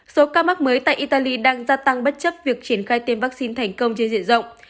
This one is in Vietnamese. số ca mắc mới tại italy đang gia tăng bất chấp việc triển khai tiêm vaccine thành công trên diện rộng